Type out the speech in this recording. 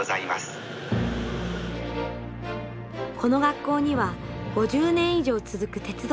この学校には５０年以上続く鉄道研究会があります。